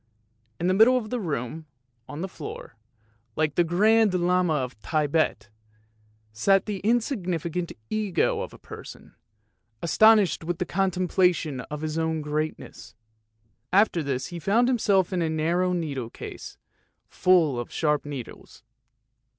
In the middle of the room, on the floor, like the grand Llama of Thibet, sat the insignificant " Ego " of the person, astonished with the contemplation of his own greatness. After this he found himself in a narrow needle case, full of sharp needles.